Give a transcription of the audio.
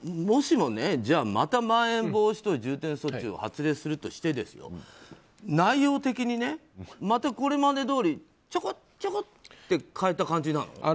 もしもまたまん延防止等重点措置を発令するとして内容的にまたこれまでどおりちょこちょこって変えた感じなの？